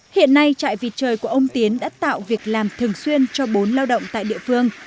hiện nay trại vịt trời của ông tiến đã tạo việc làm thường xuyên cho bốn lao động tại địa phương